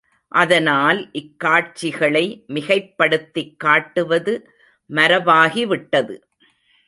அதனால் இக்காட்சிகளை மிகைப்படுத்திக் காட்டுவது மரபாகிவிட்டது.